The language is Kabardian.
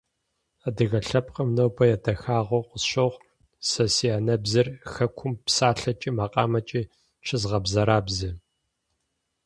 Адыгэ лъэпкъым нобэ я дахэнагъуэу къысщохъу сэ ди анэбзэр хэкум псалъэкӀи макъамэкӀи щызыгъэбзэрабзэ.